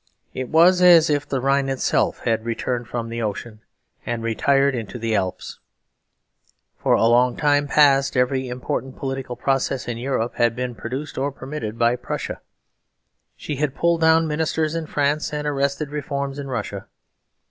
It was as if the Rhine itself had returned from the ocean and retired into the Alps. For a long time past every important political process in Europe had been produced or permitted by Prussia. She had pulled down ministers in France and arrested reforms in Russia.